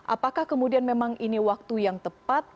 apakah kemudian memang ini waktu yang tepat